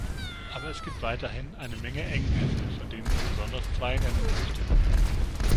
Aber es gibt weiterhin eine Menge Engpässe, von denen ich besonders zwei nennen möchte.